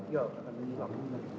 ya beragama islam